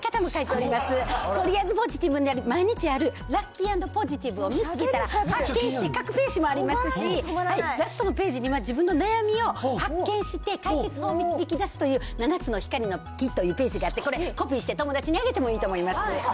とりあえずポジティブになる、毎日あるラッキー＆ポイントを見つけたら、発見して各ページもありますし、ラストのページには自分の悩みを発見して、解決法を導き出すという７つの光のきというページがあって、これ、コピーして友達にあげてもいいと思います。